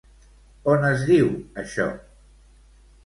On es diu això?